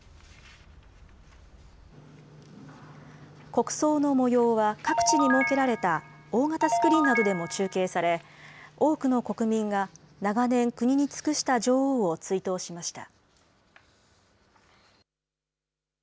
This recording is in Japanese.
国葬のもようは各地に設けられた大型スクリーンなどでも中継され多くの国民が長年、国に尽くした女王を追悼しました。